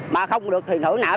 mà không được thưởng nợ